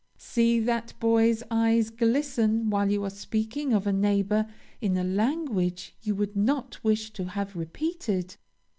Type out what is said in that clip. See that boy's eyes glisten while you are speaking of a neighbor in a language you would not wish to have repeated.